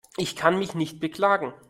Ich kann mich nicht beklagen.